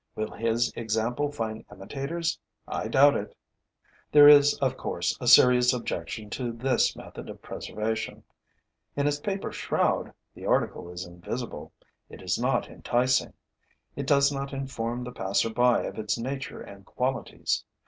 Will his example find imitators? I doubt it. There is, of course, a serious objection to this method of preservation. In its paper shroud, the article is invisible; it is not enticing; it does not inform the passer by of its nature and qualities.